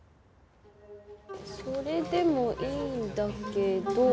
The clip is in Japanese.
それでもいいんだけど。